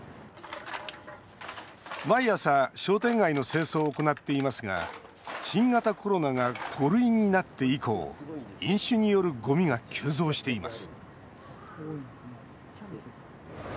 毎朝商店街の清掃を行っていますが新型コロナが５類になって以降飲酒によるゴミが急増しています